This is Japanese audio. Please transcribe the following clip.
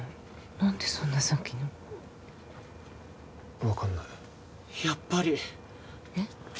何でそんな先の分かんないやっぱりえっ？